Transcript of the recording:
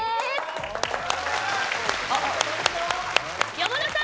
山田さん。